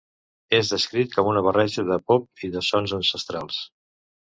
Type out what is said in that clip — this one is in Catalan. És descrit com una barreja de pop i de sons ancestrals.